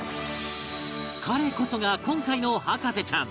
彼こそが今回の博士ちゃん